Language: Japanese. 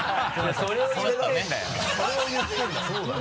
それを言ってるんだよ。